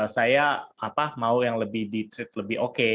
saya mau yang lebih di treat lebih oke